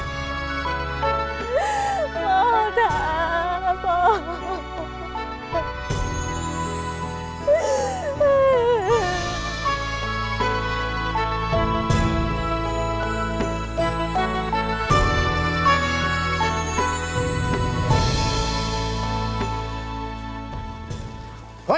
มาช่วยพ่อแล้ว